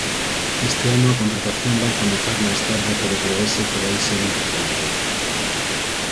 Este ano a contratación vai comezar máis tarde pero prevese que vai ser importante.